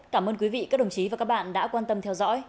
cảm ơn quý vị các đồng chí và các bạn đã quan tâm theo dõi